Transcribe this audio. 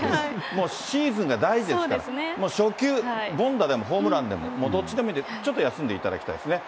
もう、シーズンが大事ですから、もう初球、凡打でもホームランでも、どっちでもいいんで、ちょっと休んでいただきたいですね。